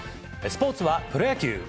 スポーツはプロ野球。